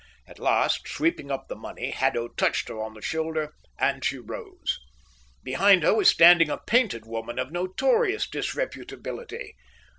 At last, sweeping up the money, Haddo touched her on the shoulder, and she rose. Behind her was standing a painted woman of notorious disreputability.